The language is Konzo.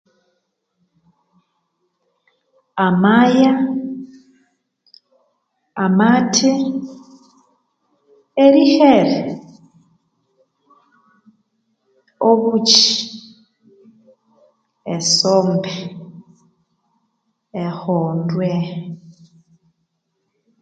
Amaya, amathe, erihere, obukyi, esombe, ehondwe